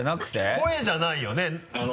声じゃないよね？